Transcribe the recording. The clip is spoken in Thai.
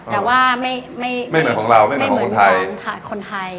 แต่ว่าไม่ไม่เหมือนของเราไม่เหมือนไทยค่ะคนไทย